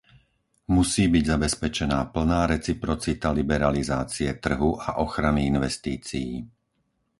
Musí byť zabezpečená plná reciprocita liberalizácie trhu a ochrany investícií.